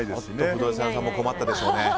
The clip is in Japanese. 不動産屋さんも困ったでしょうね。